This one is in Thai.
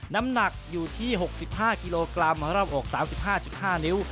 น้ำหนักอยู่ที่๖๕กิโลกรัมรอบอก๓๕๕นิ้ว